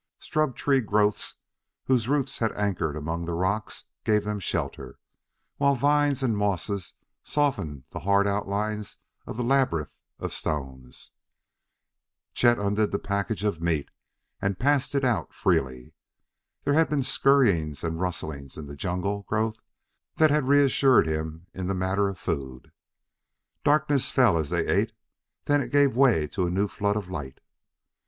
Scrub tree growths whose roots had anchored among the rocks gave them shelter, while vines and mosses softened the hard outlines of the labyrinth of stones. Chet undid the package of meat and passed it out freely. There had been scurryings and rustlings in the jungle growth that had reassured him in the matter of food. Darkness fell as they ate; then it gave way to a new flood of light.